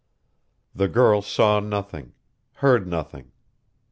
The girl saw nothing, heard nothing.